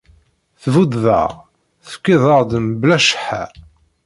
Tbuddeḍ-aɣ, tefkiḍ-aɣ-d mebla cceḥḥa.